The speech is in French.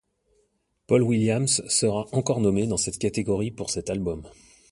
Paul Williams sera encore nommé dans cette catégorie pour cet album.